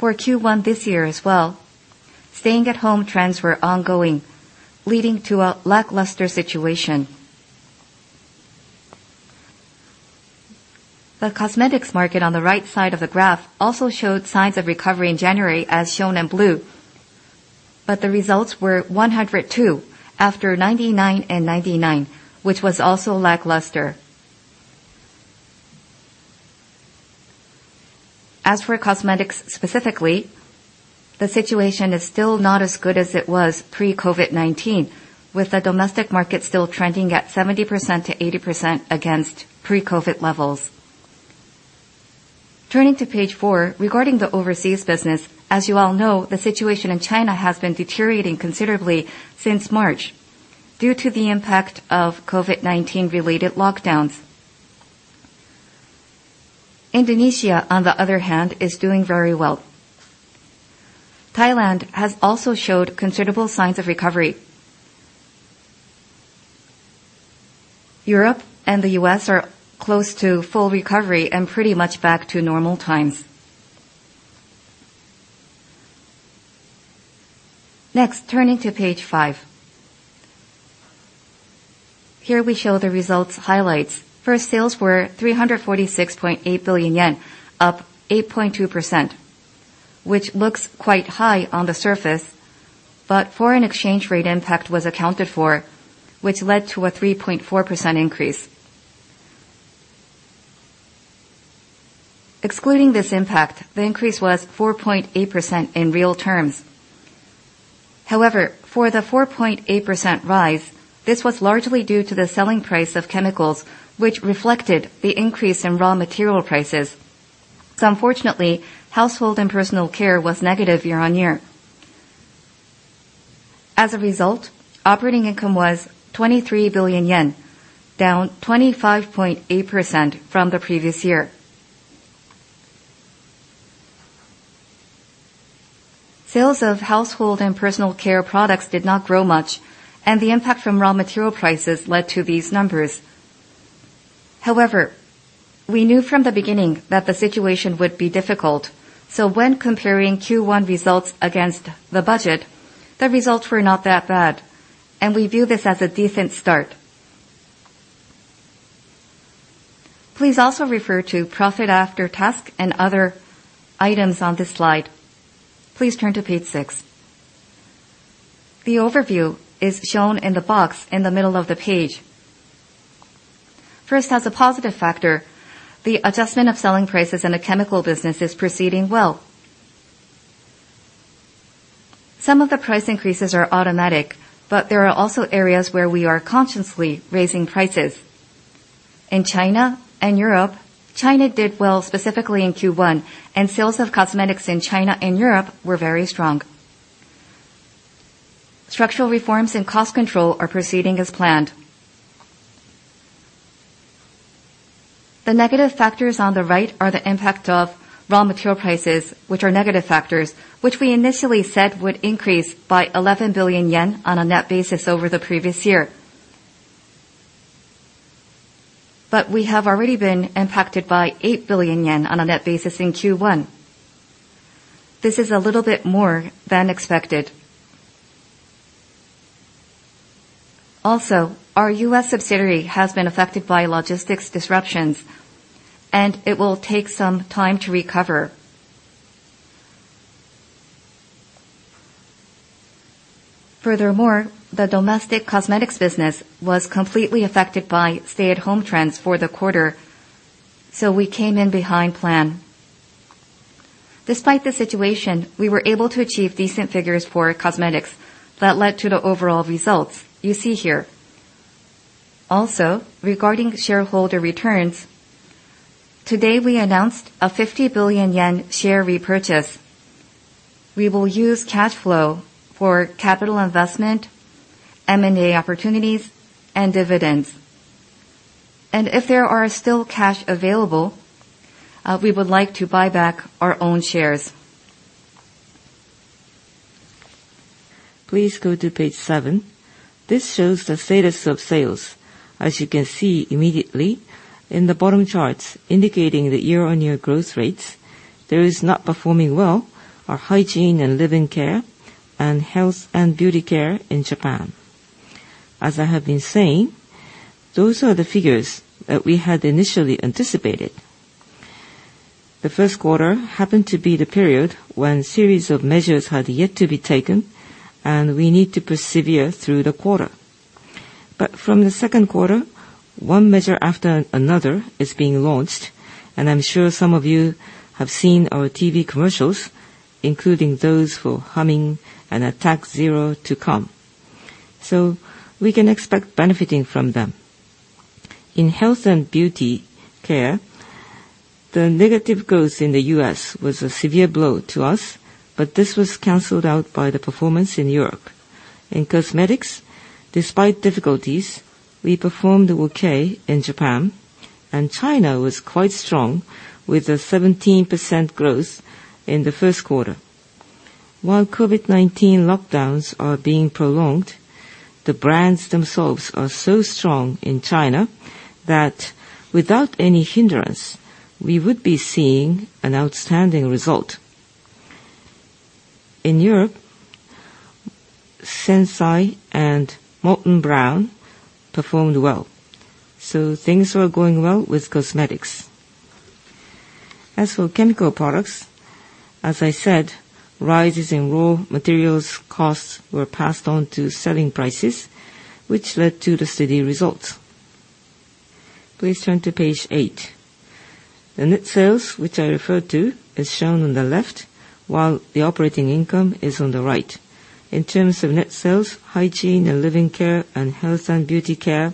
For Q1 this year as well, staying-at-home trends were ongoing, leading to a lackluster situation. The cosmetics market on the right side of the graph also showed signs of recovery in January, as shown in blue. The results were 102 after 99 and 99, which was also lackluster. As for cosmetics specifically, the situation is still not as good as it was pre-COVID-19, with the domestic market still trending at 70%-80% against pre-COVID levels. Turning to page four, regarding the overseas business. As you all know, the situation in China has been deteriorating considerably since March due to the impact of COVID-19 related lockdowns. Indonesia, on the other hand, is doing very well. Thailand has also showed considerable signs of recovery. Europe and the U.S. are close to full recovery and pretty much back to normal times. Next, turning to page five. Here we show the results highlights. First, sales were 346.8 billion yen, up 8.2%, which looks quite high on the surface. Foreign exchange rate impact was accounted for, which led to a 3.4% increase. Excluding this impact, the increase was 4.8% in real terms. However, for the 4.8% rise, this was largely due to the selling price of chemicals, which reflected the increase in raw material prices. Unfortunately, household and personal care was negative year-on-year. As a result, operating income was 23 billion yen, down 25.8% from the previous year. Sales of household and personal care products did not grow much, and the impact from raw material prices led to these numbers. However, we knew from the beginning that the situation would be difficult. When comparing Q1 results against the budget, the results were not that bad, and we view this as a decent start. Please also refer to profit after tax and other items on this slide. Please turn to page six. The overview is shown in the box in the middle of the page. First, as a positive factor, the adjustment of selling prices in the chemical business is proceeding well. Some of the price increases are automatic, but there are also areas where we are consciously raising prices. In China and Europe, China did well, specifically in Q1, and sales of cosmetics in China and Europe were very strong. Structural reforms and cost control are proceeding as planned. The negative factors on the right are the impact of raw material prices, which are negative factors which we initially said would increase by 11 billion yen on a net basis over the previous year. We have already been impacted by 8 billion yen on a net basis in Q1. This is a little bit more than expected. Also, our U.S. subsidiary has been affected by logistics disruptions, and it will take some time to recover. Furthermore, the domestic cosmetics business was completely affected by stay-at-home trends for the quarter, so we came in behind plan. Despite the situation, we were able to achieve decent figures for cosmetics that led to the overall results you see here. Also, regarding shareholder returns, today we announced a 50 billion yen share repurchase. We will use cash flow for capital investment, M&A opportunities, and dividends. If there are still cash available, we would like to buy back our own shares. Please go to page seven. This shows the status of sales. As you can see immediately in the bottom charts indicating the year-on-year growth rates, those not performing well are Hygiene and Living Care and Health and Beauty Care in Japan. As I have been saying, those are the figures that we had initially anticipated. The first quarter happened to be the period when series of measures had yet to be taken and we need to persevere through the quarter. From the second quarter, one measure after another is being launched. I'm sure some of you have seen our TV commercials, including those for Humming and Attack ZERO to come, so we can expect benefiting from them. In Health and Beauty Care, the negative growth in the U.S. was a severe blow to us, but this was canceled out by the performance in Europe. In cosmetics, despite difficulties, we performed okay in Japan, and China was quite strong with a 17% growth in the first quarter. While COVID-19 lockdowns are being prolonged, the brands themselves are so strong in China that without any hindrance, we would be seeing an outstanding result. In Europe, SENSAI and Molton Brown performed well, so things were going well with cosmetics. As for chemical products, as I said, rises in raw materials costs were passed on to selling prices, which led to the steady results. Please turn to page right. The net sales, which I referred to, is shown on the left, while the operating income is on the right. In terms of net sales, Hygiene and Living Care and Health and Beauty Care,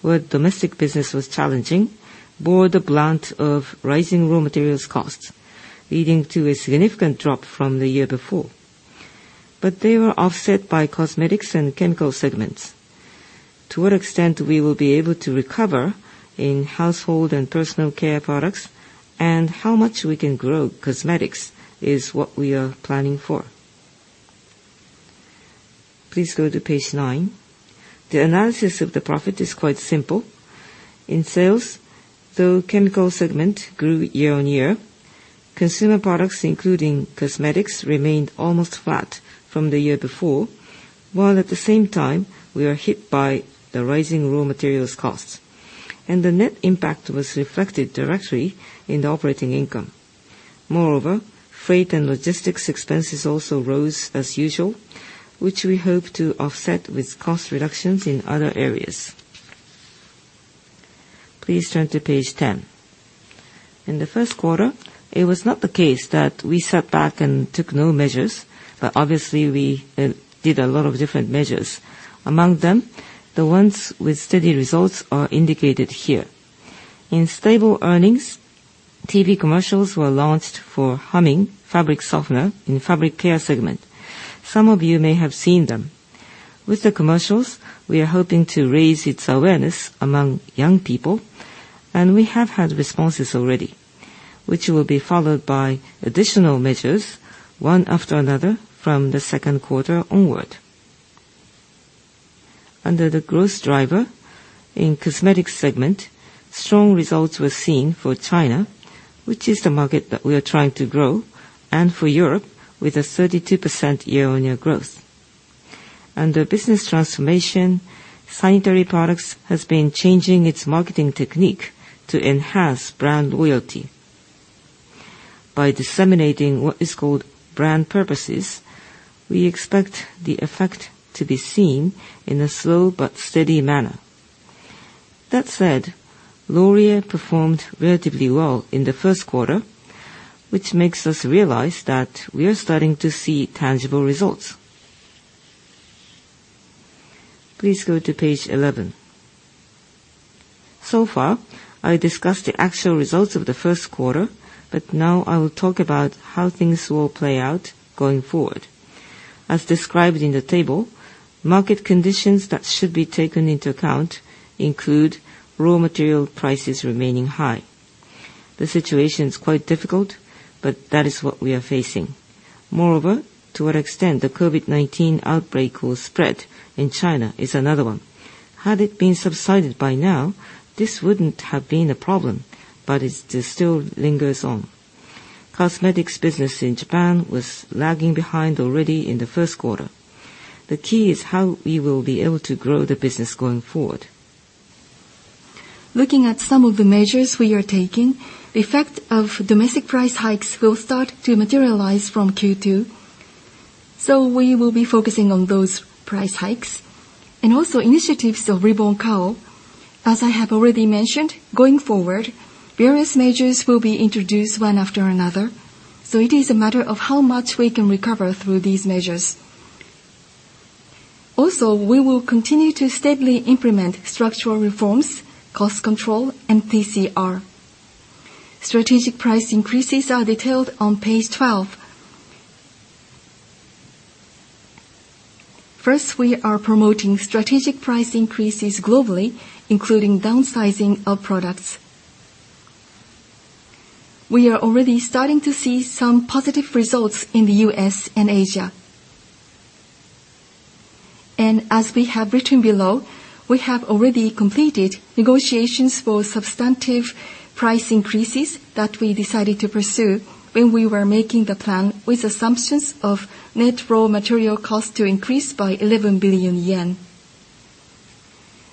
where domestic business was challenging, bore the brunt of rising raw materials costs, leading to a significant drop from the year before. They were offset by cosmetics and chemical segments. To what extent we will be able to recover in household and personal care products, and how much we can grow cosmetics is what we are planning for. Please go to page nine. The analysis of the profit is quite simple. In sales, though chemical segment grew year-on-year, consumer products including cosmetics remained almost flat from the year before, while at the same time, we are hit by the rising raw materials costs. The net impact was reflected directly in the operating income. Moreover, freight and logistics expenses also rose as usual, which we hope to offset with cost reductions in other areas. Please turn to page 10. In the first quarter, it was not the case that we sat back and took no measures, but obviously we did a lot of different measures. Among them, the ones with steady results are indicated here. In stable earnings, TV commercials were launched for Humming fabric softener in Fabric Care segment. Some of you may have seen them. With the commercials, we are hoping to raise its awareness among young people, and we have had responses already, which will be followed by additional measures, one after another, from the second quarter onward. Under the growth driver in Cosmetics segment, strong results were seen for China, which is the market that we are trying to grow, and for Europe, with a 32% year-on-year growth. Under business transformation, Sanitary Products has been changing its marketing technique to enhance brand loyalty. By disseminating what is called brand purposes, we expect the effect to be seen in a slow but steady manner. That said, L'Oréal performed relatively well in the first quarter, which makes us realize that we are starting to see tangible results. Please go to page 11. So far, I discussed the actual results of the first quarter, but now I will talk about how things will play out going forward. As described in the table, market conditions that should be taken into account include raw material prices remaining high. The situation is quite difficult, but that is what we are facing. Moreover, to what extent the COVID-19 outbreak will spread in China is another one. Had it been subsided by now, this wouldn't have been a problem, but it still lingers on. Cosmetics business in Japan was lagging behind already in the first quarter. The key is how we will be able to grow the business going forward. Looking at some of the measures we are taking, the effect of domestic price hikes will start to materialize from Q2, so we will be focusing on those price hikes. Also initiatives of Reborn Kao, as I have already mentioned, going forward, various measures will be introduced one after another, so it is a matter of how much we can recover through these measures. Also, we will continue to steadily implement structural reforms, cost control, and TCR. Strategic price increases are detailed on page 12. First, we are promoting strategic price increases globally, including downsizing of products. We are already starting to see some positive results in the U.S. and Asia. As we have written below, we have already completed negotiations for substantive price increases that we decided to pursue when we were making the plan with assumptions of net raw material cost to increase by 11 billion yen.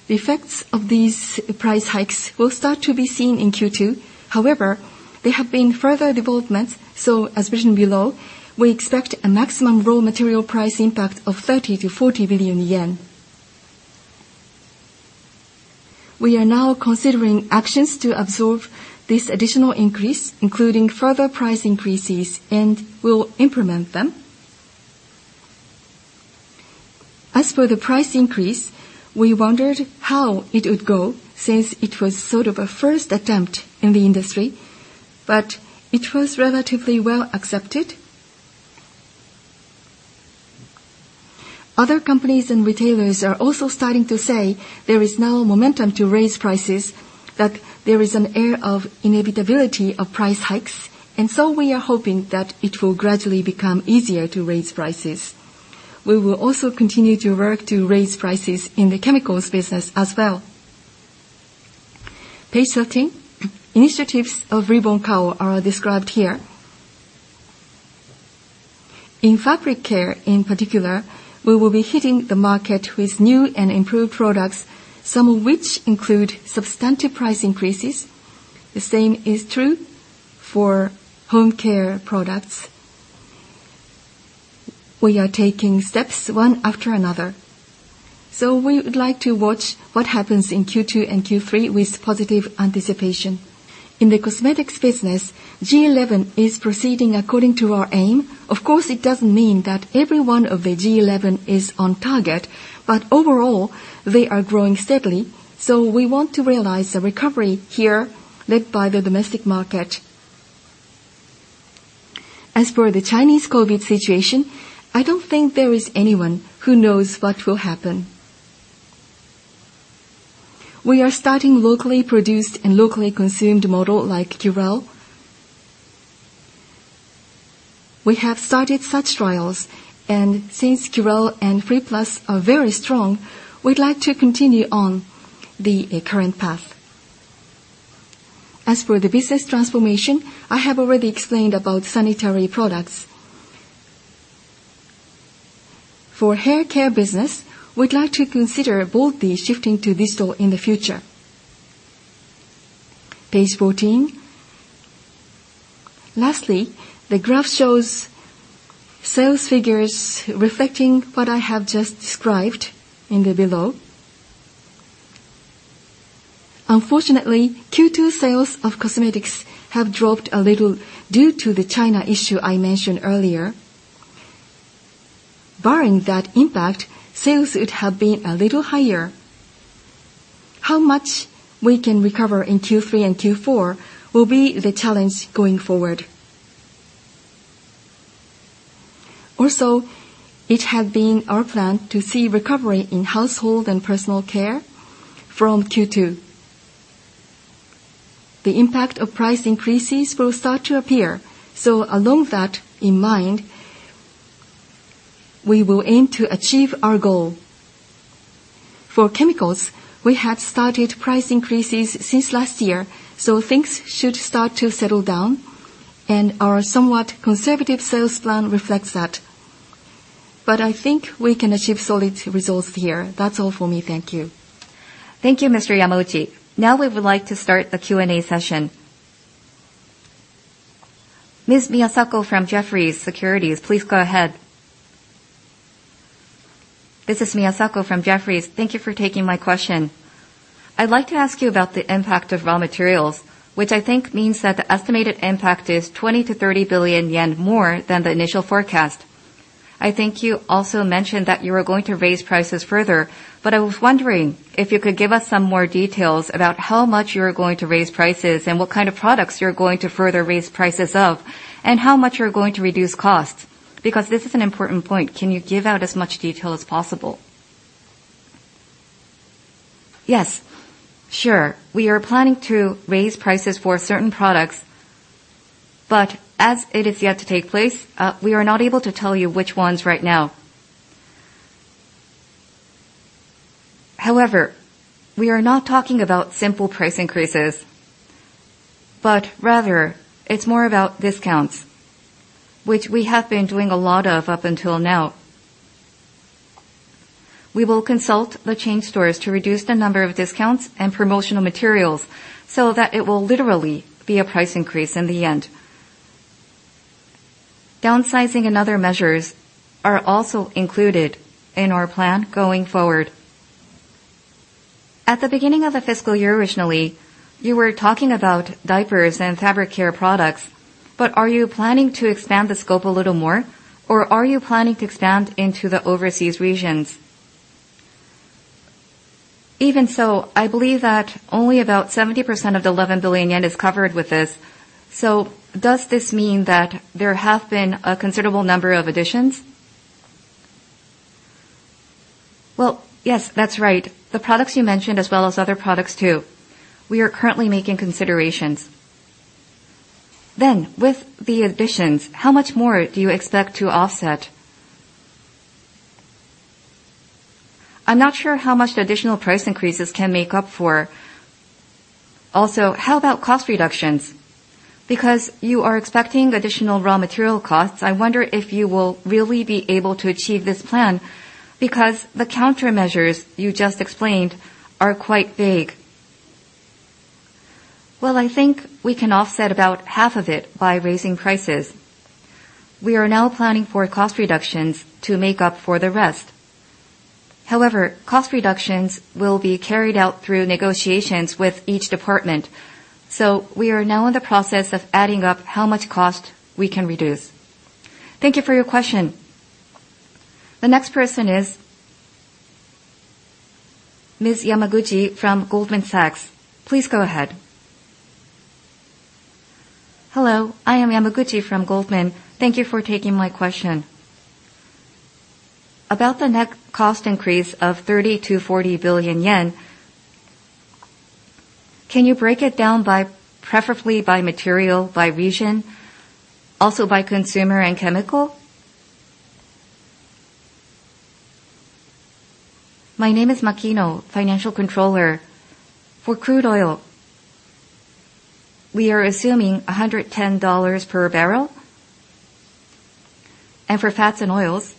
The effects of these price hikes will start to be seen in Q2. However, there have been further developments, so as written below, we expect a maximum raw material price impact of 30 billion-40 billion yen. We are now considering actions to absorb this additional increase, including further price increases, and will implement them. As for the price increase, we wondered how it would go since it was sort of a first attempt in the industry, but it was relatively well-accepted. Other companies and retailers are also starting to say there is now momentum to raise prices, that there is an air of inevitability of price hikes. We are hoping that it will gradually become easier to raise prices. We will also continue to work to raise prices in the chemicals business as well. Page 13. Initiatives of Reborn Kao are described here. In fabric care in particular, we will be hitting the market with new and improved products, some of which include substantive price increases. The same is true for home care products. We are taking steps one after another. We would like to watch what happens in Q2 and Q3 with positive anticipation. In the cosmetics business, G11 is proceeding according to our aim. Of course, it doesn't mean that every one of the G11 is on target, but overall, they are growing steadily. We want to realize a recovery here led by the domestic market. As for the Chinese COVID-19 situation, I don't think there is anyone who knows what will happen. We are starting locally produced and locally consumed model like Curél. We have started such trials, and since Curél and freeplus are very strong, we'd like to continue on the current path. As for the business transformation, I have already explained about sanitary products. For hair care business, we'd like to consider boldly shifting to digital in the future. Page 14. Lastly, the graph shows sales figures reflecting what I have just described in the below. Unfortunately, Q2 sales of cosmetics have dropped a little due to the China issue I mentioned earlier. Barring that impact, sales would have been a little higher. How much we can recover in Q3 and Q4 will be the challenge going forward. It had been our plan to see recovery in household and personal care from Q2. The impact of price increases will start to appear, so, with that in mind, we will aim to achieve our goal. For chemicals, we had started price increases since last year, so things should start to settle down, and our somewhat conservative sales plan reflects that. I think we can achieve solid results here. That's all for me. Thank you. Thank you, Mr. Yamauchi. Now we would like to start the Q&A session. Ms. Miyasako from Jefferies, please go ahead. This is Miyasako from Jefferies. Thank you for taking my question. I'd like to ask you about the impact of raw materials, which I think means that the estimated impact is 20 billion-30 billion yen more than the initial forecast. I think you also mentioned that you are going to raise prices further, but I was wondering if you could give us some more details about how much you are going to raise prices, and what kind of products you're going to further raise prices of, and how much you're going to reduce costs? Because this is an important point. Can you give out as much detail as possible? Yes. Sure. We are planning to raise prices for certain products, but as it is yet to take place, we are not able to tell you which ones right now. However, we are not talking about simple price increases, but rather it's more about discounts, which we have been doing a lot of up until now. We will consult the chain stores to reduce the number of discounts and promotional materials so that it will literally be a price increase in the end. Downsizing and other measures are also included in our plan going forward. At the beginning of the fiscal year, originally, you were talking about diapers and fabric care products, but are you planning to expand the scope a little more, or are you planning to expand into the overseas regions? Even so, I believe that only about 70% of the 11 billion yen is covered with this. Does this mean that there have been a considerable number of additions? Well, yes, that's right. The products you mentioned, as well as other products too. We are currently making considerations. With the additions, how much more do you expect to offset? I'm not sure how much the additional price increases can make up for. Also, how about cost reductions? Because you are expecting additional raw material costs, I wonder if you will really be able to achieve this plan, because the countermeasures you just explained are quite vague. Well, I think we can offset about half of it by raising prices. We are now planning for cost reductions to make up for the rest. However, cost reductions will be carried out through negotiations with each department, so we are now in the process of adding up how much cost we can reduce. Thank you for your question. The next person is Ms. Yamaguchi from Goldman Sachs. Please go ahead. Hello, I am Yamaguchi from Goldman Sachs. Thank you for taking my question. About the net cost increase of 30 billion-40 billion yen, can you break it down by preferably by material, by region, also by consumer and chemical? My name is Makino, financial controller. For crude oil, we are assuming $110 per barrel. For fats and oils,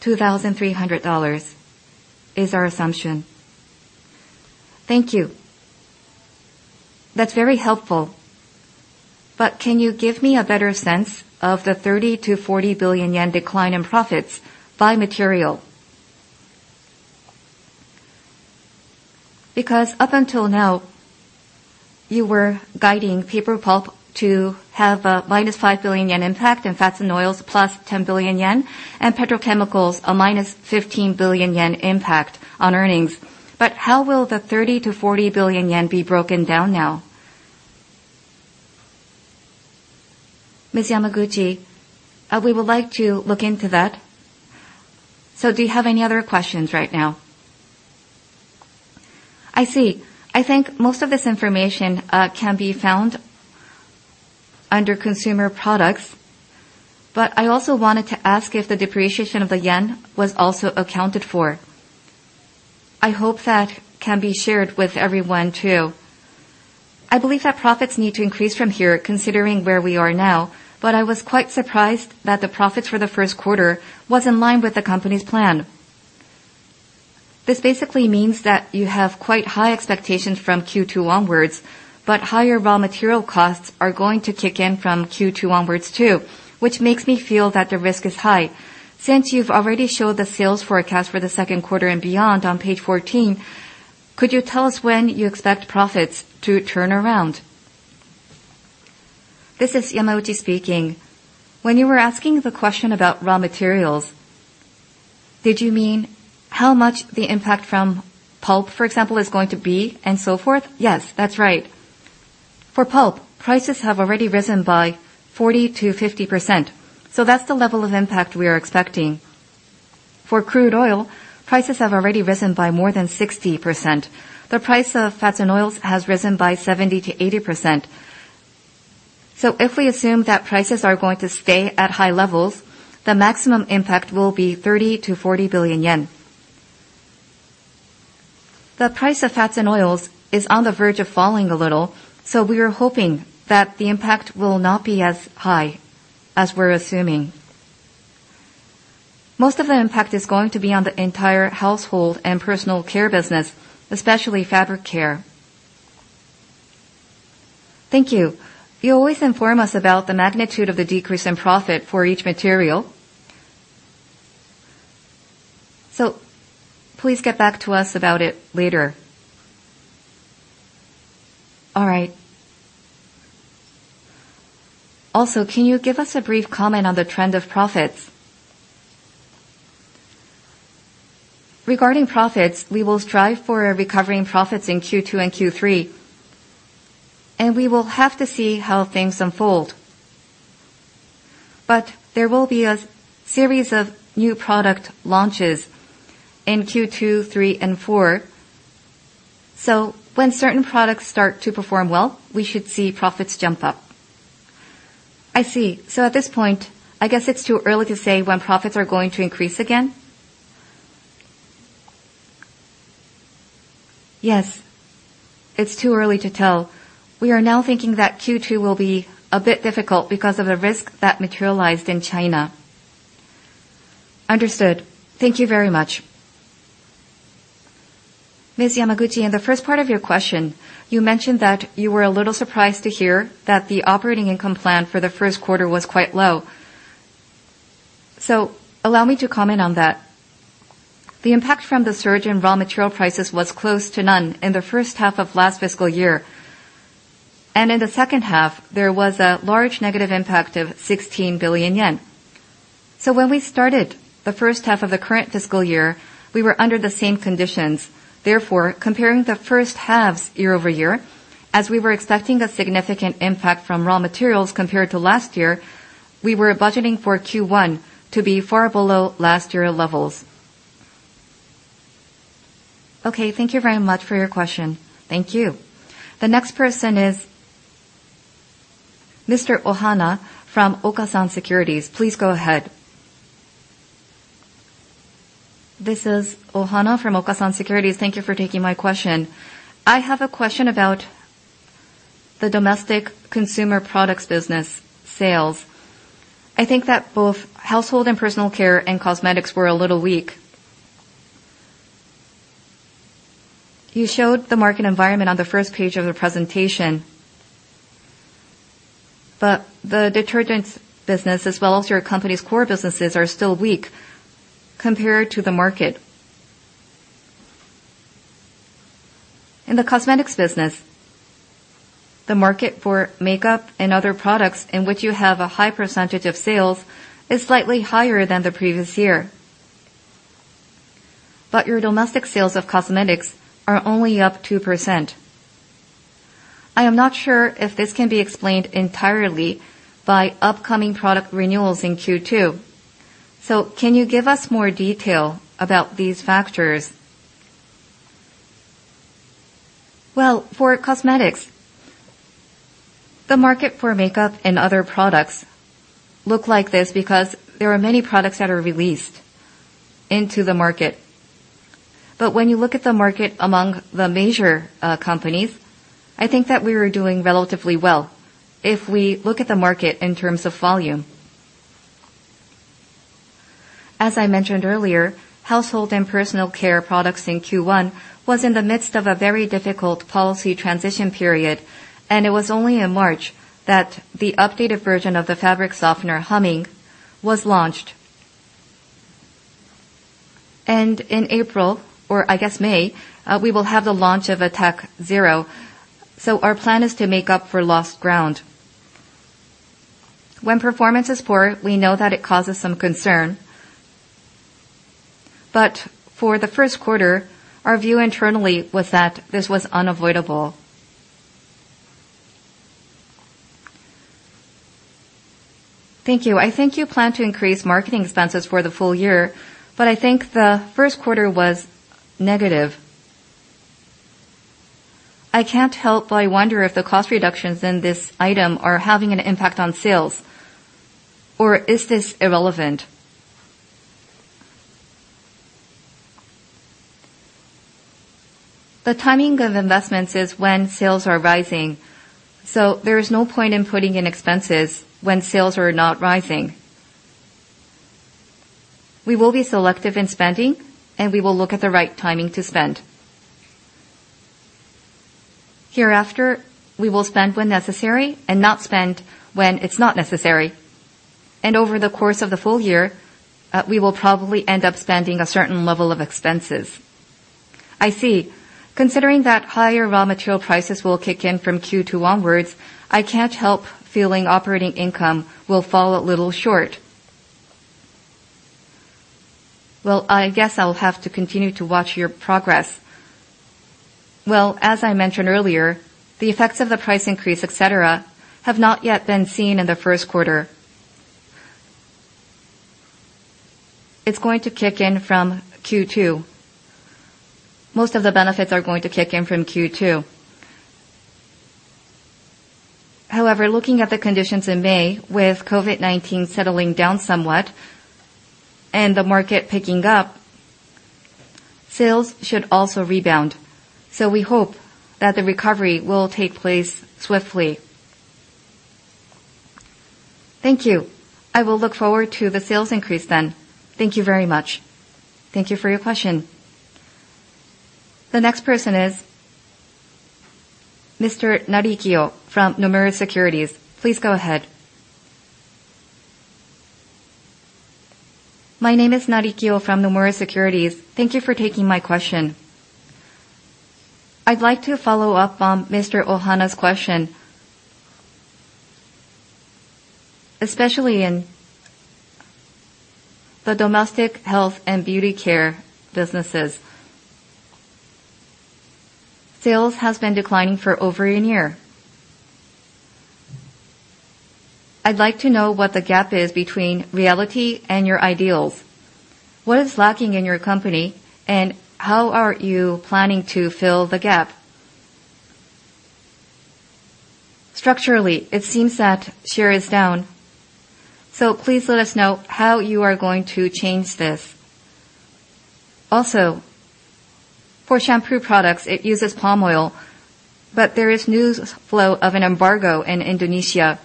$2,300 is our assumption. Thank you. That's very helpful. Can you give me a better sense of the 30 billion-40 billion yen decline in profits by material? Because up until now, you were guiding paper pulp to have a -5 billion yen impact in fats and oils, +10 billion yen, and petrochemicals a -15 billion yen impact on earnings. How will the 30 billion-40 billion yen be broken down now? Ms. Yamaguchi, we would like to look into that. Do you have any other questions right now? I see. I think most of this information can be found under consumer products, but I also wanted to ask if the depreciation of the yen was also accounted for. I hope that can be shared with everyone too. I believe that profits need to increase from here, considering where we are now, but I was quite surprised that the profits for the first quarter was in line with the company's plan. This basically means that you have quite high expectations from Q2 onwards, but higher raw material costs are going to kick in from Q2 onwards too, which makes me feel that the risk is high. Since you've already showed the sales forecast for the second quarter and beyond on page 14, could you tell us when you expect profits to turn around? This is Yamaguchi speaking. When you were asking the question about raw materials, did you mean how much the impact from pulp, for example, is going to be and so forth? Yes, that's right. For pulp, prices have already risen by 40%-50%, so that's the level of impact we are expecting. For crude oil, prices have already risen by more than 60%. The price of fats and oils has risen by 70%-80%. If we assume that prices are going to stay at high levels, the maximum impact will be 30 billion-40 billion yen. The price of fats and oils is on the verge of falling a little, so we are hoping that the impact will not be as high as we're assuming. Most of the impact is going to be on the entire household and personal care business, especially fabric care. Thank you. You always inform us about the magnitude of the decrease in profit for each material. Please get back to us about it later. All right. Also, can you give us a brief comment on the trend of profits? Regarding profits, we will strive for recovering profits in Q2 and Q3, and we will have to see how things unfold. There will be a series of new product launches in Q2, Q3, and Q4. When certain products start to perform well, we should see profits jump up. I see. At this point, I guess it's too early to say when profits are going to increase again? Yes, it's too early to tell. We are now thinking that Q2 will be a bit difficult because of the risk that materialized in China. Understood. Thank you very much. Ms. Yamaguchi, in the first part of your question, you mentioned that you were a little surprised to hear that the operating income plan for the first quarter was quite low. Allow me to comment on that. The impact from the surge in raw material prices was close to none in the first half of last fiscal year. In the second half, there was a large negative impact of 16 billion yen. When we started the first half of the current fiscal year, we were under the same conditions. Therefore, comparing the first halves year-over-year, as we were expecting a significant impact from raw materials compared to last year, we were budgeting for Q1 to be far below last year levels. Okay, thank you very much for your question. Thank you. The next person is Mr. Ohana from Okasan Securities. Please go ahead. This is Ohana from Okasan Securities. Thank you for taking my question. I have a question about the domestic consumer products business sales. I think that both household and personal care and cosmetics were a little weak. You showed the market environment on the first page of the presentation, but the detergents business, as well as your company's core businesses, are still weak compared to the market. In the cosmetics business, the market for makeup and other products in which you have a high percentage of sales is slightly higher than the previous year. Your domestic sales of cosmetics are only up 2%. I am not sure if this can be explained entirely by upcoming product renewals in Q2. Can you give us more detail about these factors? Well, for cosmetics, the market for makeup and other products look like this because there are many products that are released into the market. When you look at the market among the major companies, I think that we were doing relatively well if we look at the market in terms of volume. As I mentioned earlier, household and personal care products in Q1 was in the midst of a very difficult policy transition period, and it was only in March that the updated version of the fabric softener Humming was launched. In April or, I guess, May, we will have the launch of Attack ZERO. Our plan is to make up for lost ground. When performance is poor, we know that it causes some concern. For the first quarter, our view internally was that this was unavoidable. Thank you. I think you plan to increase marketing expenses for the full year, but I think the first quarter was negative. I can't help but wonder if the cost reductions in this item are having an impact on sales, or is this irrelevant? The timing of investments is when sales are rising, so there is no point in putting in expenses when sales are not rising. We will be selective in spending, and we will look at the right timing to spend. Hereafter, we will spend when necessary and not spend when it's not necessary. Over the course of the full year, we will probably end up spending a certain level of expenses. I see. Considering that higher raw material prices will kick in from Q2 onwards, I can't help feeling operating income will fall a little short. Well, I guess I'll have to continue to watch your progress. Well, as I mentioned earlier, the effects of the price increase, et cetera, have not yet been seen in the first quarter. It's going to kick in from Q2. Most of the benefits are going to kick in from Q2. However, looking at the conditions in May, with COVID-19 settling down somewhat and the market picking up, sales should also rebound. We hope that the recovery will take place swiftly. Thank you. I will look forward to the sales increase then. Thank you very much. Thank you for your question. The next person is Mr. Narikiyo from Nomura Securities. Please go ahead. My name is Narikiyo from Nomura Securities. Thank you for taking my question. I'd like to follow up on Mr. Ohana's question. Especially in the domestic Health and Beauty Care businesses, sales has been declining for over a year. I'd like to know what the gap is between reality and your ideals. What is lacking in your company, and how are you planning to fill the gap? Structurally, it seems that share is down, so please let us know how you are going to change this. Also, for shampoo products, it uses palm oil, but there is news flow of an embargo in Indonesia.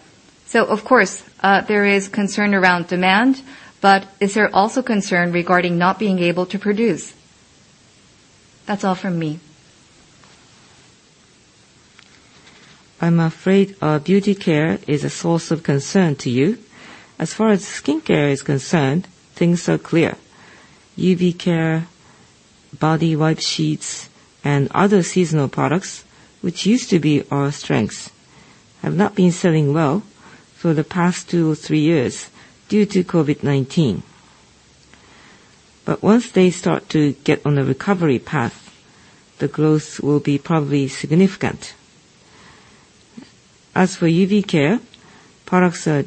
Of course, there is concern around demand, but is there also concern regarding not being able to produce? That's all from me. I'm afraid, beauty care is a source of concern to you. As far as skincare is concerned, things are clear. UV care, body wipe sheets, and other seasonal products, which used to be our strengths, have not been selling well for the past two or three years due to COVID-19. Once they start to get on a recovery path, the growth will be probably significant. As for UV care, products are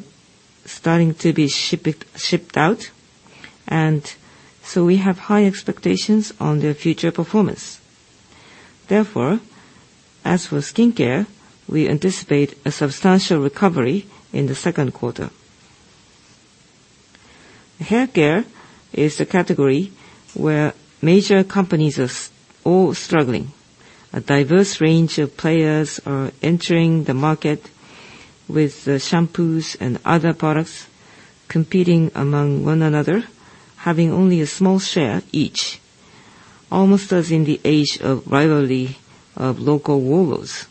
starting to be shipped out, and so we have high expectations on their future performance. Therefore, as for skincare, we anticipate a substantial recovery in the second quarter. Hair care is a category where major companies are all struggling. A diverse range of players are entering the market with, shampoos and other products competing among one another, having only a small share each, almost as in the age of rivalry of local warlords.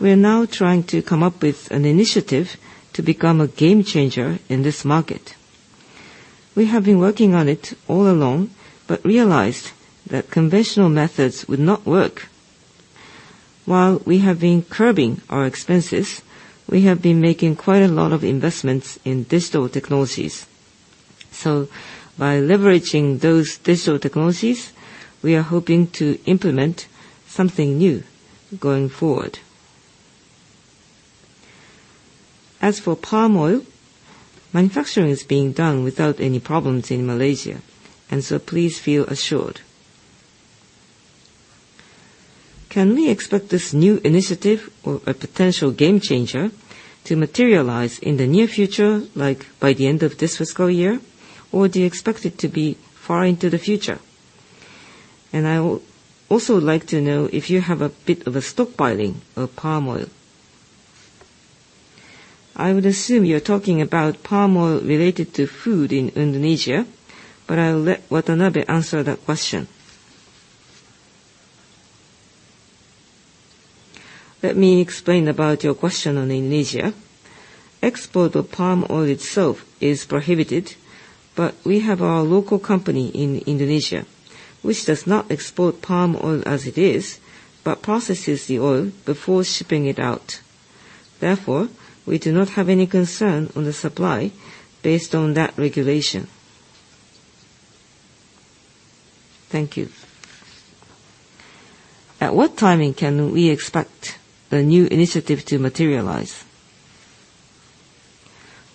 We are now trying to come up with an initiative to become a game changer in this market. We have been working on it all along, but realized that conventional methods would not work. While we have been curbing our expenses, we have been making quite a lot of investments in digital technologies. By leveraging those digital technologies, we are hoping to implement something new going forward. As for palm oil, manufacturing is being done without any problems in Malaysia. Please feel assured. Can we expect this new initiative or a potential game changer to materialize in the near future, like by the end of this fiscal year? Do you expect it to be far into the future? I will also like to know if you have a bit of a stockpiling of palm oil. I would assume you're talking about palm oil related to food in Indonesia, but I'll let Watanabe answer that question. Let me explain about your question on Indonesia. Export of palm oil itself is prohibited, but we have our local company in Indonesia, which does not export palm oil as it is, but processes the oil before shipping it out. Therefore, we do not have any concern on the supply based on that regulation. Thank you. At what timing can we expect the new initiative to materialize?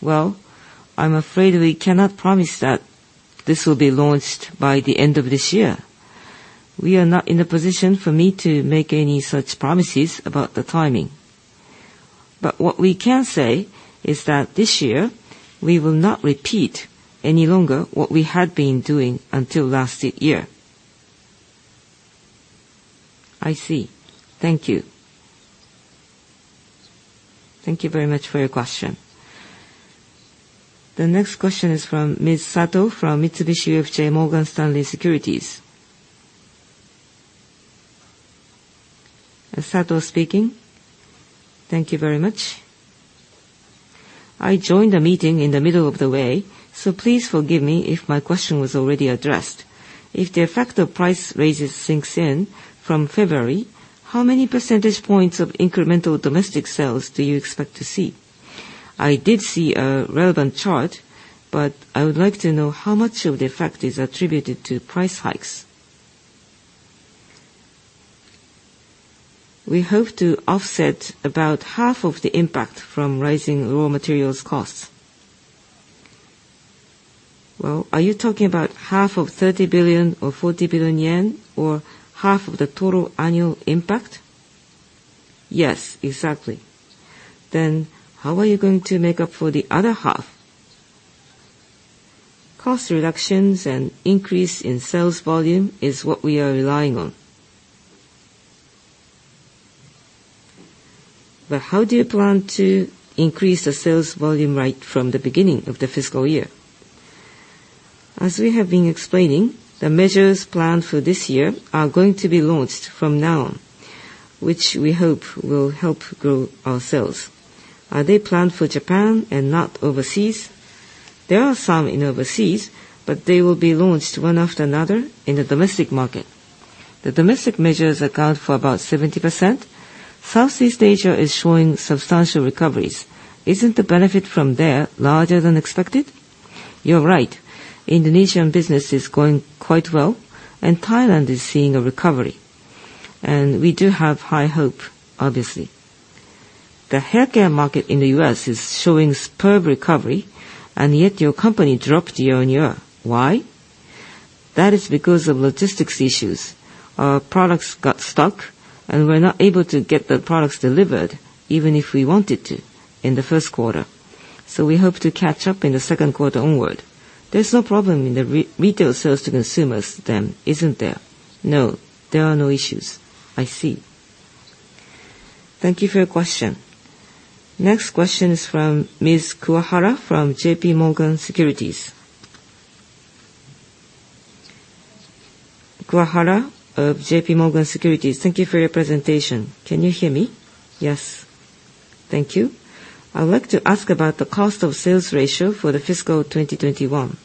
Well, I'm afraid we cannot promise that this will be launched by the end of this year. We are not in a position for me to make any such promises about the timing. But what we can say is that this year we will not repeat any longer what we had been doing until last year. I see. Thank you. Thank you very much for your question. The next question is from Ms. Sato from Mitsubishi UFJ Morgan Stanley Securities. Sato speaking. Thank you very much. I joined the meeting in the middle of the way, so please forgive me if my question was already addressed. If the effect of price raises sinks in from February, how many percentage points of incremental domestic sales do you expect to see? I did see a relevant chart, but I would like to know how much of the effect is attributed to price hikes. We hope to offset about half of the impact from rising raw materials costs. Well, are you talking about half of 30 billion or 40 billion yen or half of the total annual impact? Yes, exactly. Then how are you going to make up for the other half? Cost reductions and increase in sales volume is what we are relying on. But how do you plan to increase the sales volume right from the beginning of the fiscal year? As we have been explaining, the measures planned for this year are going to be launched from now on, which we hope will help grow our sales. Are they planned for Japan and not overseas? There are some in overseas, but they will be launched one after another in the domestic market. The domestic measures account for about 70%. Southeast Asia is showing substantial recoveries. Isn't the benefit from there larger than expected? You're right. Indonesian business is going quite well, and Thailand is seeing a recovery. We do have high hope, obviously. The hair care market in the U.S. is showing superb recovery, and yet your company dropped year-over-year. Why? That is because of logistics issues. Our products got stuck, and we're not able to get the products delivered even if we wanted to in the first quarter. We hope to catch up in the second quarter onward. There's no problem in the retail sales to consumers then, isn't there? No, there are no issues. I see. Thank you for your question. Next question is from Ms. Kuwahara from JPMorgan Securities. Kuwahara of JPMorgan Securities. Thank you for your presentation. Can you hear me? Yes. Thank you. I'd like to ask about the cost of sales ratio for the fiscal 2021.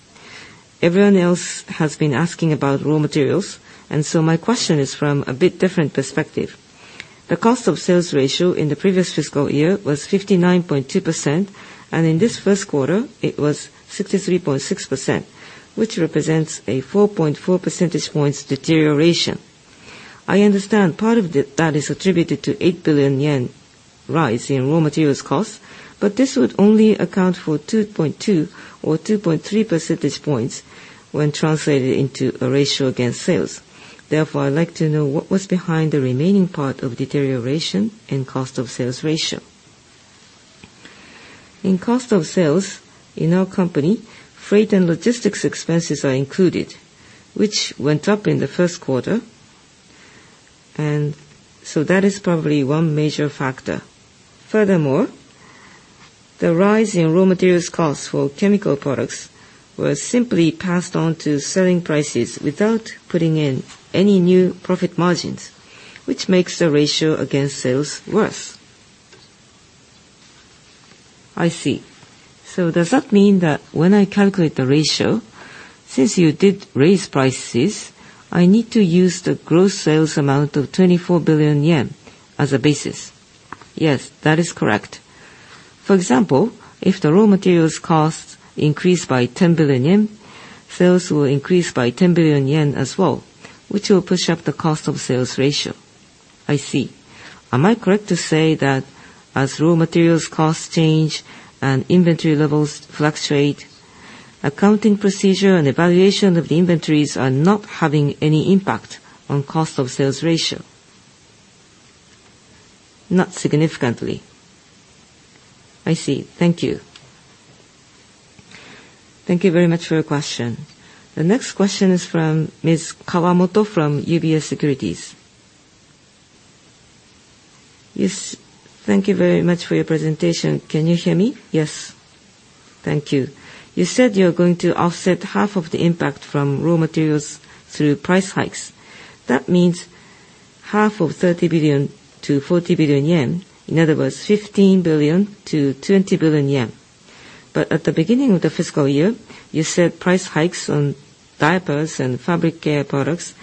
Everyone else has been asking about raw materials, and so my question is from a bit different perspective. The cost of sales ratio in the previous fiscal year was 59.2%, and in this first quarter, it was 63.6%, which represents a 4.4 percentage points deterioration. I understand part of that is attributed to 8 billion yen rise in raw materials costs, but this would only account for 2.2 or 2.3 percentage points when translated into a ratio against sales. Therefore, I'd like to know what was behind the remaining part of deterioration in cost of sales ratio. In cost of sales in our company, freight and logistics expenses are included, which went up in the first quarter. That is probably one major factor. Furthermore, the rise in raw materials costs for chemical products was simply passed on to selling prices without putting in any new profit margins, which makes the ratio against sales worse. I see. So does that mean that when I calculate the ratio, since you did raise prices, I need to use the gross sales amount of 2024 billion yen as a basis? Yes, that is correct. For example, if the raw materials costs increase by 10 billion yen, sales will increase by 10 billion yen as well, which will push up the cost of sales ratio. I see. Am I correct to say that as raw materials costs change and inventory levels fluctuate, accounting procedure and evaluation of the inventories are not having any impact on cost of sales ratio? Not significantly. I see. Thank you. Thank you very much for your question. The next question is from Ms. Kawamoto from UBS Securities. Yes, thank you very much for your presentation. Can you hear me? Yes. Thank you. You said you're going to offset half of the impact from raw materials through price hikes. That means half of 30 billion-40 billion yen. In other words, 15 billion-20 billion yen. At the beginning of the fiscal year, you said price hikes on diapers and fabric care products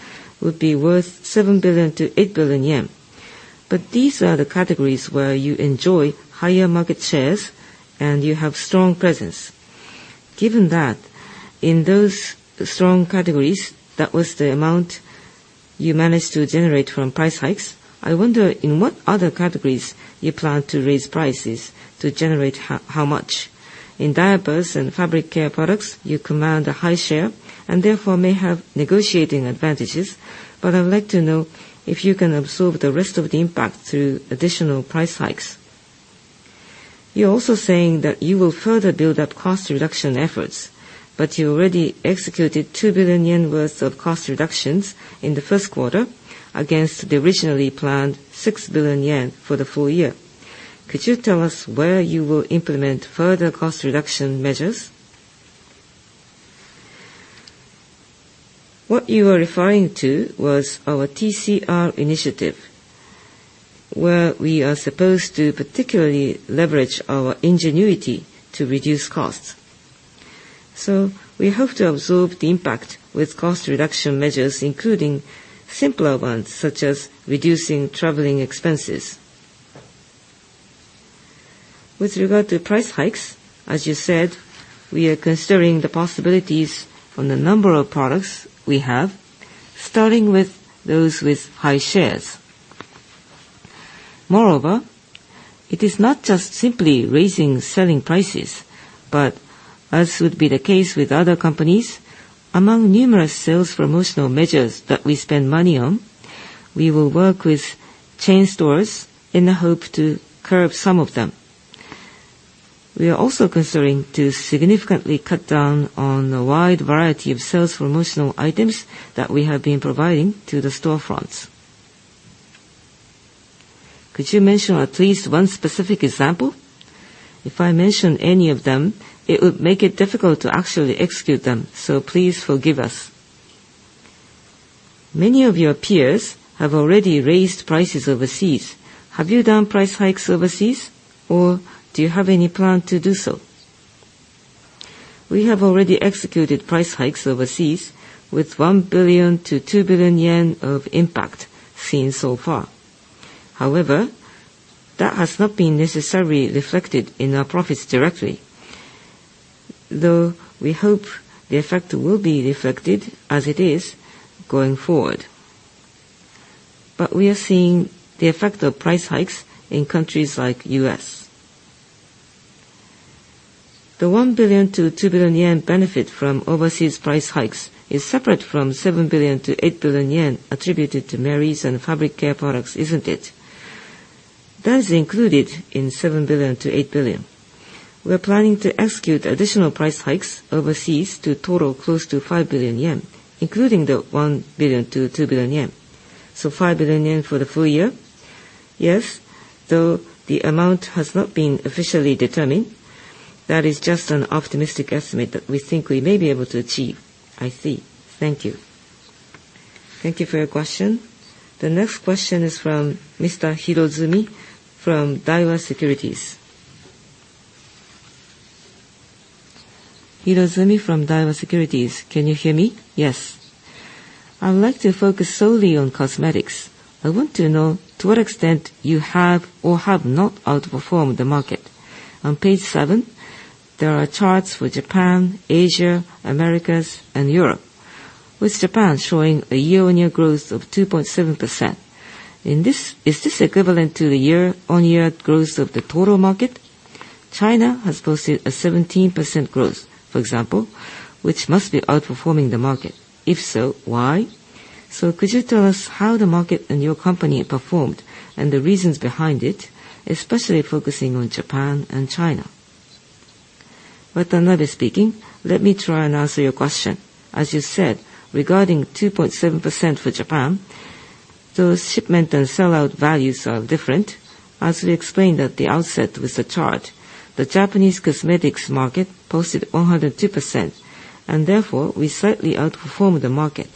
would be worth 7 billion-8 billion yen. These are the categories where you enjoy higher market shares, and you have strong presence. Given that, in those strong categories, that was the amount you managed to generate from price hikes. I wonder in what other categories you plan to raise prices to generate how much? In diapers and fabric care products, you command a high share, and therefore, may have negotiating advantages. I would like to know if you can absorb the rest of the impact through additional price hikes. You're also saying that you will further build up cost reduction efforts, but you already executed 2 billion yen worth of cost reductions in the first quarter against the originally planned 6 billion yen for the full year. Could you tell us where you will implement further cost reduction measures? What you are referring to was our TCR initiative, where we are supposed to particularly leverage our ingenuity to reduce costs. We hope to absorb the impact with cost reduction measures, including simpler ones such as reducing traveling expenses. With regard to price hikes, as you said, we are considering the possibilities from the number of products we have, starting with those with high shares. Moreover, it is not just simply raising selling prices, but as would be the case with other companies, among numerous sales promotional measures that we spend money on, we will work with chain stores in the hope to curb some of them. We are also considering to significantly cut down on a wide variety of sales promotional items that we have been providing to the storefronts. Could you mention at least one specific example? If I mention any of them, it would make it difficult to actually execute them, so please forgive us. Many of your peers have already raised prices overseas. Have you done price hikes overseas, or do you have any plan to do so? We have already executed price hikes overseas with 1 billion-2 billion yen of impact seen so far. However, that has not been necessarily reflected in our profits directly. Though we hope the effect will be reflected as it is going forward. We are seeing the effect of price hikes in countries like U.S. The 1 billion-2 billion yen benefit from overseas price hikes is separate from 7 billion-8 billion yen attributed to Merries and fabric care products, isn't it? That is included in 7 billion-8 billion. We're planning to execute additional price hikes overseas to total close to 5 billion yen, including the 1 billion-2 billion yen. So 5 billion yen for the full year? Yes. Though the amount has not been officially determined, that is just an optimistic estimate that we think we may be able to achieve. I see. Thank you. Thank you for your question. The next question is from Mr. Hidezumi from Daiwa Securities. Hidezumi from Daiwa Securities, can you hear me? Yes. I would like to focus solely on cosmetics. I want to know to what extent you have or have not outperformed the market. On page seven, there are charts for Japan, Asia, Americas, and Europe, with Japan showing a year-on-year growth of 2.7%. Is this equivalent to the year-on-year growth of the total market? China has posted a 17% growth, for example, which must be outperforming the market. If so, why? Could you tell us how the market and your company performed and the reasons behind it, especially focusing on Japan and China? Watanabe speaking. Let me try and answer your question. As you said, regarding 2.7% for Japan, those shipment and sell-out values are different. As we explained at the outset with the chart, the Japanese cosmetics market posted 102%, and therefore, we slightly outperformed the market.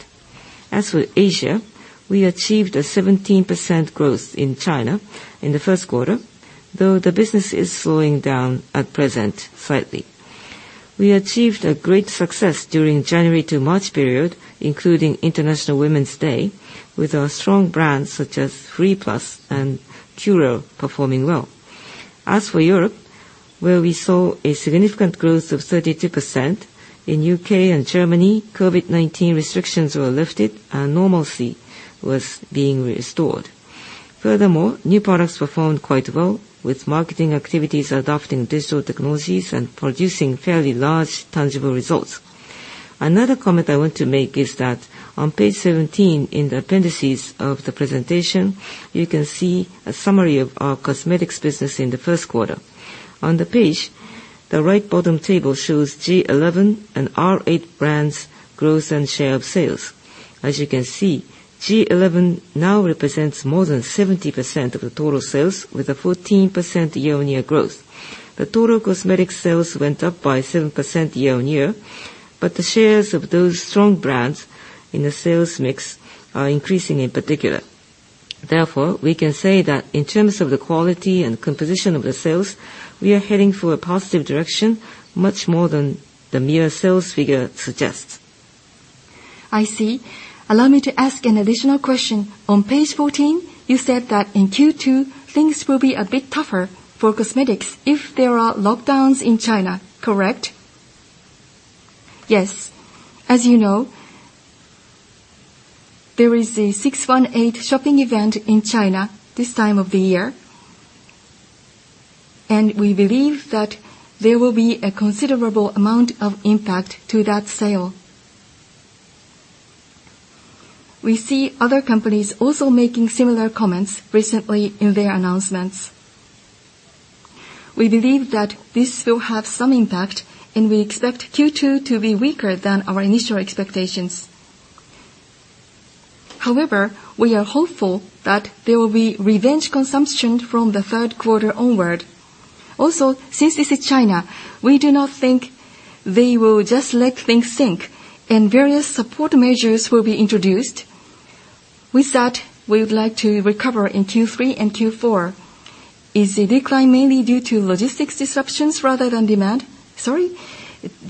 As for Asia, we achieved a 17% growth in China in the first quarter, though the business is slowing down at present slightly. We achieved a great success during January to March period, including International Women's Day, with our strong brands such as freeplus and Curél performing well. As for Europe, where we saw a significant growth of 32%, in U.K. and Germany, COVID-19 restrictions were lifted and normalcy was being restored. Furthermore, new products performed quite well, with marketing activities adopting digital technologies and producing fairly large tangible results. Another comment I want to make is that on page 17 in the appendices of the presentation, you can see a summary of our cosmetics business in the first quarter. On the page, the right bottom table shows G11 and R8 brands growth and share of sales. As you can see, G11 now represents more than 70% of the total sales, with a 14% year-on-year growth. The total cosmetic sales went up by 7% year-on-year, but the shares of those strong brands in the sales mix are increasing in particular. Therefore, we can say that in terms of the quality and composition of the sales, we are heading for a positive direction much more than the mere sales figure suggests. I see. Allow me to ask an additional question. On page 14, you said that in Q2 things will be a bit tougher for cosmetics if there are lockdowns in China, correct? Yes. As you know, there is a 618 shopping event in China this time of the year, and we believe that there will be a considerable amount of impact to that sales. We see other companies also making similar comments recently in their announcements. We believe that this will have some impact, and we expect Q2 to be weaker than our initial expectations. However, we are hopeful that there will be revenge consumption from the third quarter onward. Also, since this is China, we do not think they will just let things sink, and various support measures will be introduced. With that, we would like to recover in Q3 and Q4. Is the decline mainly due to logistics disruptions rather than demand? Sorry?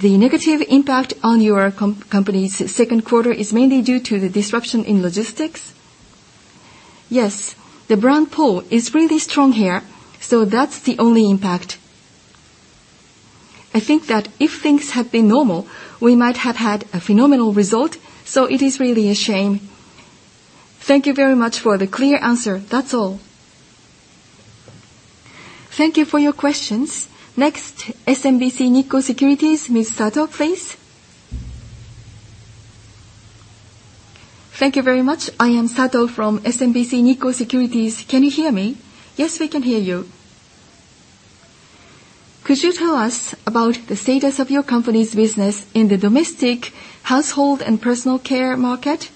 The negative impact on your company's second quarter is mainly due to the disruption in logistics? Yes. The brand pull is really strong here, so that's the only impact. I think that if things had been normal, we might have had a phenomenal result, so it is really a shame. Thank you very much for the clear answer. That's all. Thank you for your questions. Next, SMBC Nikko Securities, Ms. Sato, please. Thank you very much. I am Sato from SMBC Nikko Securities. Can you hear me? Yes, we can hear you. Could you tell us about the status of your company's business in the domestic household and personal care market?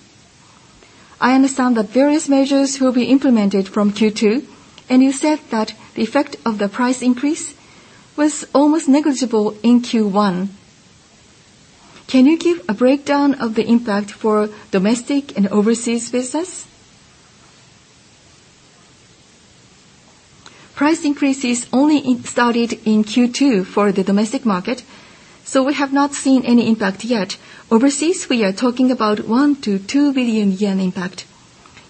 I understand that various measures will be implemented from Q2, and you said that the effect of the price increase was almost negligible in Q1. Can you give a breakdown of the impact for domestic and overseas business? Price increases only started in Q2 for the domestic market, so we have not seen any impact yet. Overseas, we are talking about 1 billion-2 billion yen impact.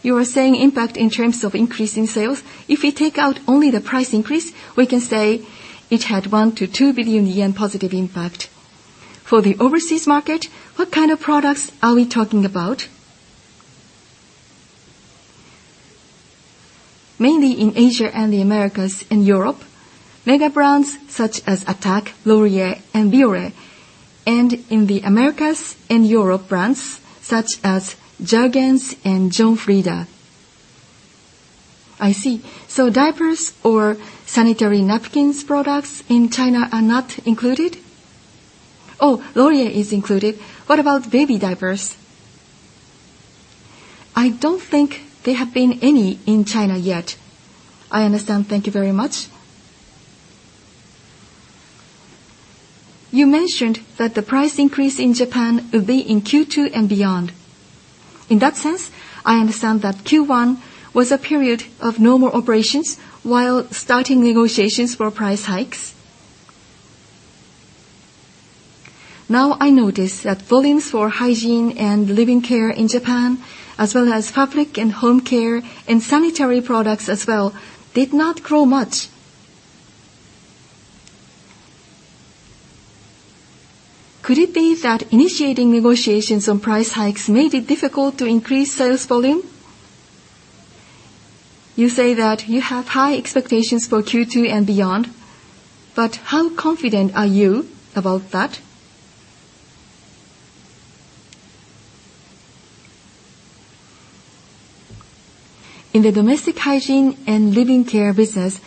You are saying impact in terms of increase in sales? If we take out only the price increase, we can say it had 1 billion-2 billion yen positive impact. For the overseas market, what kind of products are we talking about? Mainly in Asia and the Americas and Europe, mega brands such as Attack, Laurier, and Bioré. In the Americas and Europe, brands such as Jergens and John Frieda. I see. Diapers or sanitary napkins products in China are not included? Oh, Laurier is included. What about baby diapers? I don't think there have been any in China yet. I understand. Thank you very much. You mentioned that the price increase in Japan will be in Q2 and beyond. In that sense, I understand that Q1 was a period of normal operations while starting negotiations for price hikes. Now, I notice that volumes for Hygiene and Living Care in Japan, as well as fabric and home care and sanitary products as well, did not grow much. Could it be that initiating negotiations on price hikes made it difficult to increase sales volume? You say that you have high expectations for Q2 and beyond, but how confident are you about that? In the domestic Hygiene and Living Care business,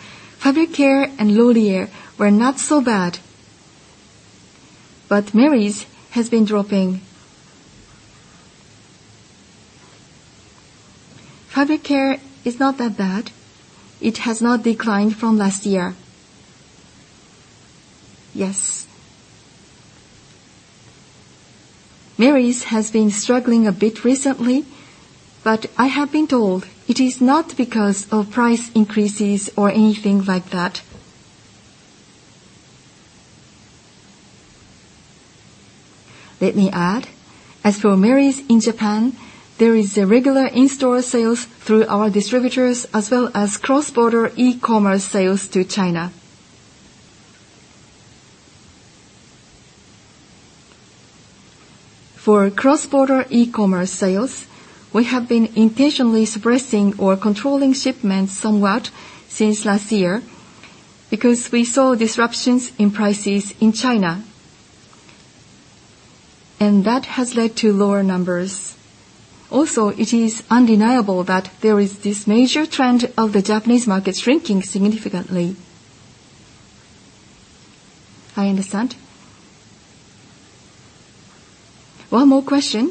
Fabric Care and Laurier were not so bad. Merries has been dropping. Fabric Care is not that bad. It has not declined from last year. Yes. Merries has been struggling a bit recently, but I have been told it is not because of price increases or anything like that. Let me add, as for Merries in Japan, there is regular in-store sales through our distributors as well as cross-border e-commerce sales to China. For cross-border e-commerce sales, we have been intentionally suppressing or controlling shipments somewhat since last year because we saw disruptions in prices in China, and that has led to lower numbers. Also, it is undeniable that there is this major trend of the Japanese market shrinking significantly. I understand. One more question.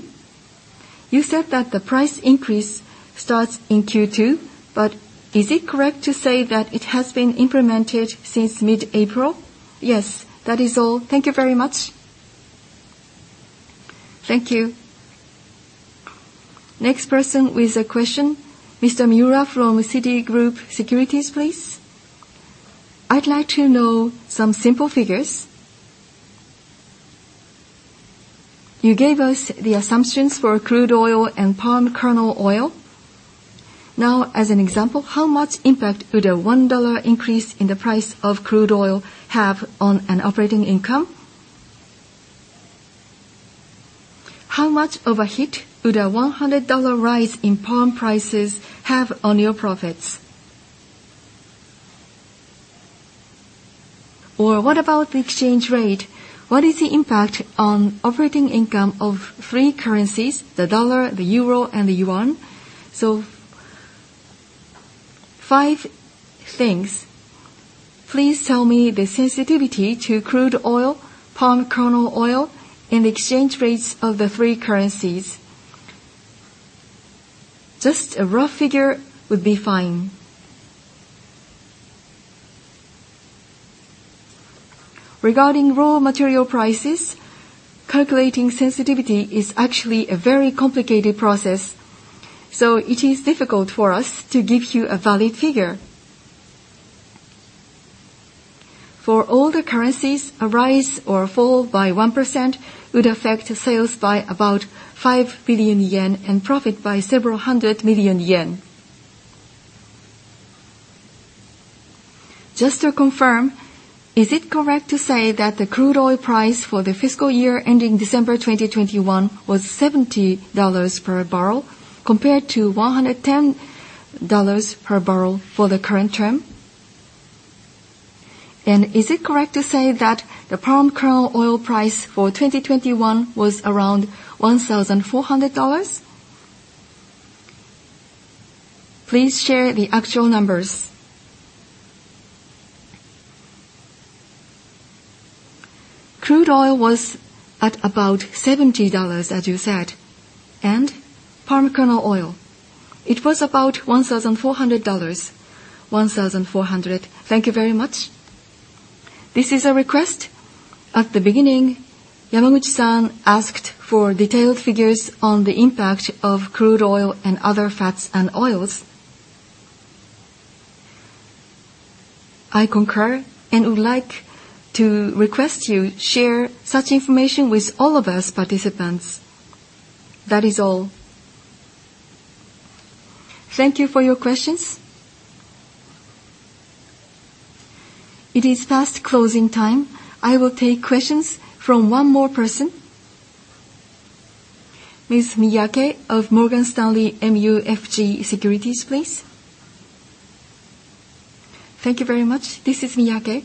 You said that the price increase starts in Q2, but is it correct to say that it has been implemented since mid-April? Yes. That is all. Thank you very much. Thank you. Next person with a question, Mr. Miura from Citigroup Securities, please. I'd like to know some simple figures. You gave us the assumptions for crude oil and palm kernel oil. Now, as an example, how much impact would a $1 increase in the price of crude oil have on an operating income? How much of a hit would a $100 rise in palm prices have on your profits? Or what about the exchange rate? What is the impact on operating income of three currencies, the dollar, the euro, and the yuan? Five things. Please tell me the sensitivity to crude oil, palm kernel oil, and exchange rates of the three currencies. Just a rough figure would be fine. Regarding raw material prices, calculating sensitivity is actually a very complicated process, so it is difficult for us to give you a valid figure. For all the currencies, a rise or fall by 1% would affect sales by about 5 billion yen and profit by JPY several hundred million. Just to confirm, is it correct to say that the crude oil price for the fiscal year ending December 2021 was $70 per barrel compared to $110 per barrel for the current term? Is it correct to say that the palm kernel oil price for 2021 was around $1,400? Please share the actual numbers. Crude oil was at about $70, as you said. Palm kernel oil, it was about $1,400. Thank you very much. This is a request. At the beginning, Yamaguchi-san asked for detailed figures on the impact of crude oil and other fats and oils. I concur and would like to request you share such information with all of us participants. That is all. Thank you for your questions. It is past closing time. I will take questions from one more person. Ms. Miyake of Morgan Stanley MUFG Securities, please. Thank you very much. This is Miyake.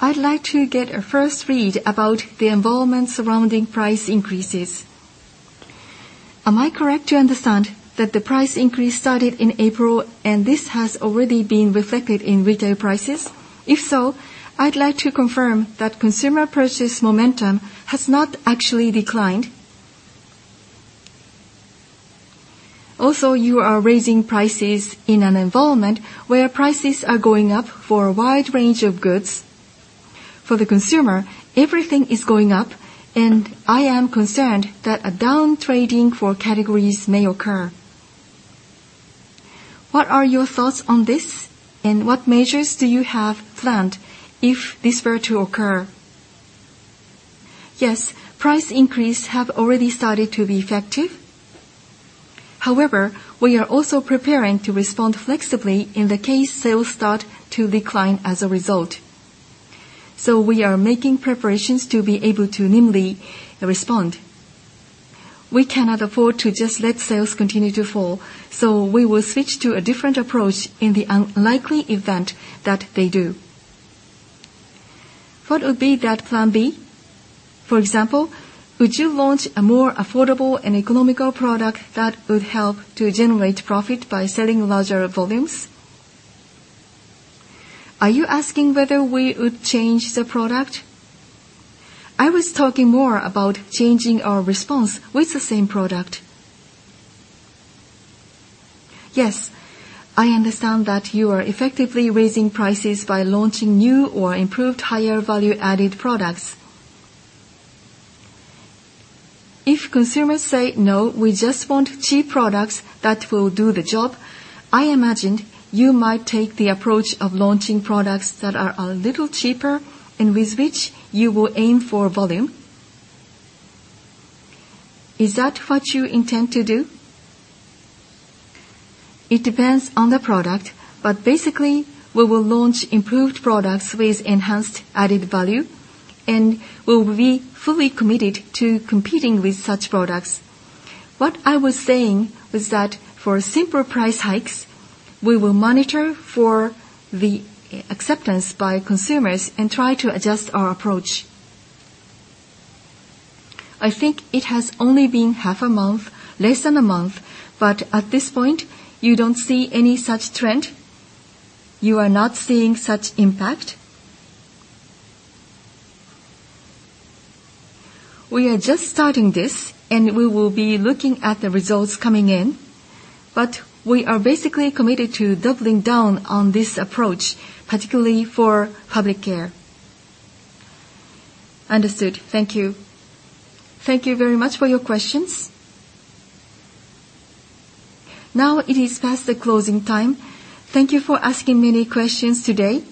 I'd like to get a first read about the involvement surrounding price increases. Am I correct to understand that the price increase started in April and this has already been reflected in retail prices? If so, I'd like to confirm that consumer purchase momentum has not actually declined. Also, you are raising prices in an environment where prices are going up for a wide range of goods. For the consumer, everything is going up, and I am concerned that a downtrading for categories may occur. What are your thoughts on this, and what measures do you have planned if this were to occur? Yes, price increases have already started to be effective. However, we are also preparing to respond flexibly in the case sales start to decline as a result. We are making preparations to be able to nimbly respond. We cannot afford to just let sales continue to fall, so we will switch to a different approach in the unlikely event that they do. What would be that plan B? For example, would you launch a more affordable and economical product that would help to generate profit by selling larger volumes? Are you asking whether we would change the product? I was talking more about changing our response with the same product. Yes. I understand that you are effectively raising prices by launching new or improved higher value-added products. If consumers say, "No, we just want cheap products that will do the job," I imagined you might take the approach of launching products that are a little cheaper and with which you will aim for volume. Is that what you intend to do? It depends on the product, but basically, we will launch improved products with enhanced added value, and we will be fully committed to competing with such products. What I was saying was that for simple price hikes, we will monitor for the acceptance by consumers and try to adjust our approach. I think it has only been half a month, less than a month, but at this point, you don't see any such trend? You are not seeing such impact? We are just starting this, and we will be looking at the results coming in, but we are basically committed to doubling down on this approach, particularly for personal care. Understood. Thank you. Thank you very much for your questions. Now it is past the closing time. Thank you for asking many questions today.